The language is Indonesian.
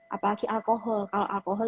apalagi alkohol kalau alkohol